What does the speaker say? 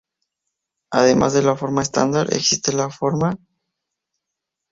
Además de la forma estándar, 毋, existe la forma 毌.